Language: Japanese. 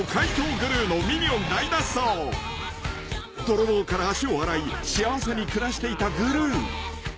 ［泥棒から足を洗い幸せに暮らしていたグルー］